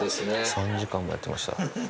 ３時間もやってました。